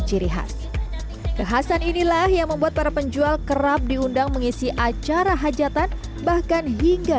ciri khas kekhasan inilah yang membuat para penjual kerap diundang mengisi acara hajatan bahkan hingga